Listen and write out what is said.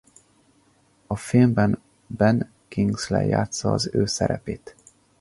A filmben Ben Kingsley játssza az ő szerepét.